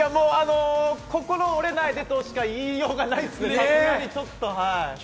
心折れないでとしか言いようがないです、さすがにちょっと。